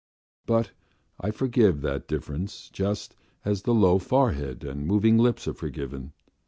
But I forgive that difference just as the low forehead and moving lips are forgiven.